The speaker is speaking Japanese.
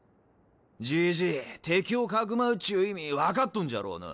ジジイ敵をかくまうっちゅう意味分かっとんじゃろうな？